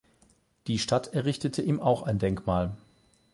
Die Stadt errichtete ihm auch ein Denkmal.